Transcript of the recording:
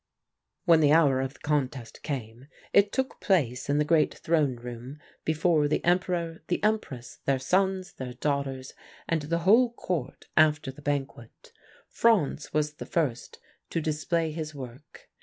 "When the hour of the contest came it took place in the great throne room before the Emperor, the Empress, their sons, their daughters, and the whole court after the banquet Franz was the first to display his work.